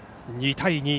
２対２。